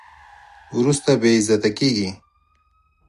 وروسته بې عزته کېږي.